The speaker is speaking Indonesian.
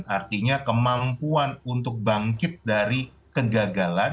artinya kemampuan untuk bangkit dari kegagalan